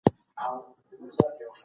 خپله ټولنه باید په خپله جوړه کړو.